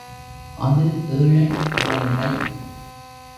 அது ஏழைக் குழந்தை.